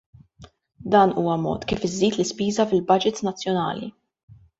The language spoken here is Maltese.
Dan huwa mod kif iżżid l-ispiża fil-budgets nazzjonali.